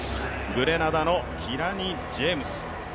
グレナダのキラニ・ジェームス。